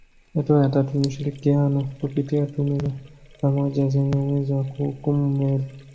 Hatua ya tatu ni ushirikiano kupitia tume za pamoja zenye uwezo wa kuhukumu meli